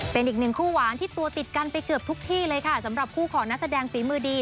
เป็นอีกหนึ่งคู่หวานที่ตัวติดกันไปเกือบทุกที่เลยค่ะสำหรับคู่ของนักแสดงฝีมือดี